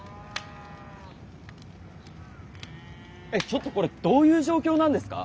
ちょっとこれどういう状況なんですか？